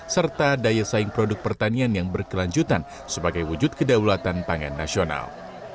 serta daya saing produk pertanian yang berkelanjutan sebagai wujud kedaulatan pangan nasional